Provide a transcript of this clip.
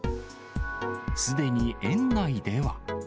すでに園内では。